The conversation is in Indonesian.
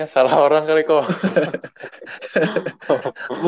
salah orang kali kok